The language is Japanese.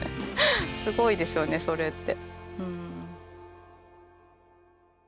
すごいですよねそれって。